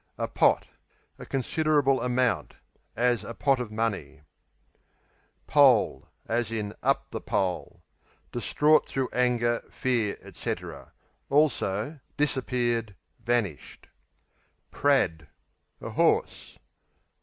Pot, a A considerable amount; as a "pot of money." Pole, up the Distraught through anger, fear, etc.; also, disappeared, vanished. Prad A horse.